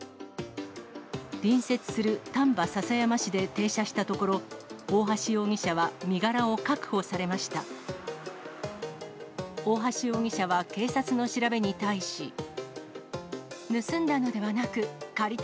隣接する丹波篠山市で停車したところ、オオハシ容疑者は身柄を確保されました。